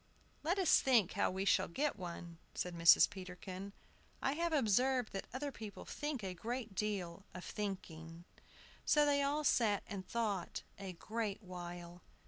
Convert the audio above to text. "Let us think how we shall get one," said Mrs. Peterkin. "I have observed that other people think a great deal of thinking." So they all sat and thought a great while.